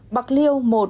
một bạc liêu